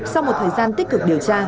sau một thời gian tích cực điều tra